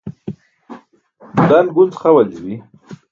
dan gunc xa waljibi